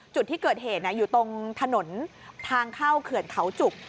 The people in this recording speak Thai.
จุดที่เกิดเหตุอยู่ตรงถนนทางเข้าเขื่อนเขาจุก